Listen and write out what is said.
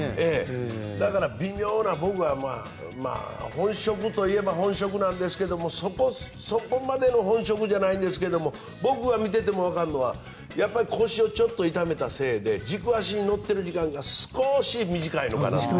だから微妙な本職といえば本職なんですがそこまでの本職じゃないんですけど僕が見ていてもわかるのは腰をちょっと痛めたせいで軸足に乗っている時間が少し短いのかなと。